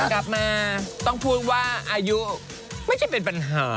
กลับมาต้องพูดว่าอายุไม่ใช่เป็นปัญหา